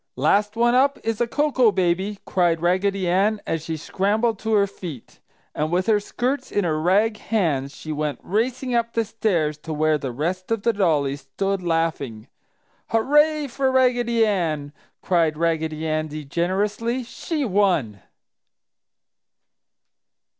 "Last one up is a Cocoa baby!" cried Raggedy Ann, as she scrambled to her feet. And with her skirts in her rag hands she went racing up the stairs to where the rest of the dollies stood laughing. "Hurrah, for Raggedy Ann!" cried Raggedy Andy generously. "She won!"